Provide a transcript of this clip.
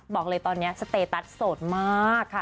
บอกเลยตอนนี้สเตตัสโสดมากค่ะ